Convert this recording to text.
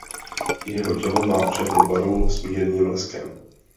Jeho tělo má černou barvu s mírným leskem.